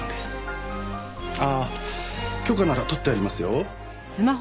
ああ許可なら取ってありますよ。